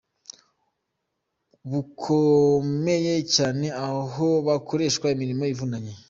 bukomeye cyane aho bakoreshwa imirimo ivunanye.